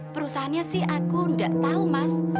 perusahaannya sih aku nggak tahu mas